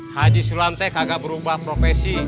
haji sulam teh kagak berubah profesi